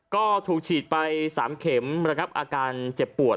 ก็ถูกฉีดไป๓เข็มระงับอาการเจ็บปวด